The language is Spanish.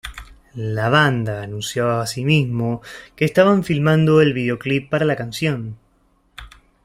La banda anunció así mismo que estaban filmando el videoclip para la canción.